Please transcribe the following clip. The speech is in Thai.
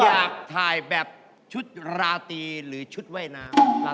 อยากถ่ายแบบชุดราตรีหรือชุดว่ายน้ำครับ